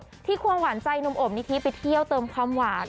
อันดับ๕ที่ควรหว่าใจหนุ่มโอบนิทิไปเที่ยวเติมความหวาน